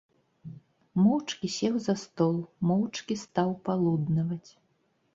Моўчкі сеў за стол, моўчкі стаў палуднаваць.